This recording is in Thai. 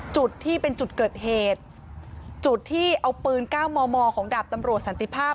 จุดที่เป็นจุดเกิดเหตุจุดที่เอาปืนเก้ามอมอของดาบตำรวจสันติภาพ